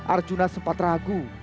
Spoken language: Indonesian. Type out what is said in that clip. arjuna sempat ragu